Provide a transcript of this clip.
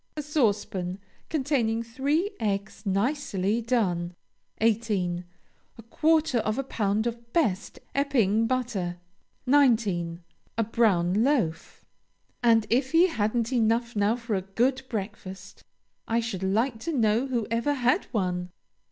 A saucepan, containing three eggs nicely done. 18. A quarter of a pound of best Epping butter. 19. A brown loaf. "And if he hadn't enough now for a good breakfast, I should like to know who ever had one?"